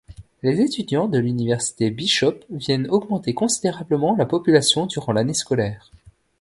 Les étudiants de l'Université Bishop viennent augmenter considérablement la population durant l'année scolaire.